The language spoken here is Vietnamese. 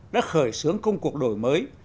đã khởi xướng công cuộc đổi mới